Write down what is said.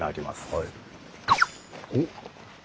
はい。